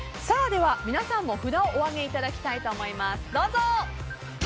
では皆さんも札をお上げいただきたいと思います。